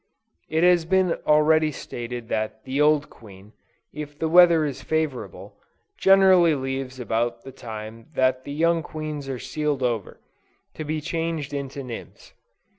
It has been already stated that the old queen, if the weather is favorable, generally leaves about the time that the young queens are sealed over, to be changed into nymphs.